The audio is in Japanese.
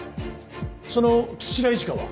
その土田一花は？